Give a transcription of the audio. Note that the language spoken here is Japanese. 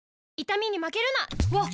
わっ！